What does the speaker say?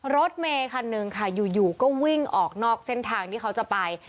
รถเมคันหนึ่งค่ะอยู่ก็วิ่งออกนอกเส้นทางที่เขาจะไป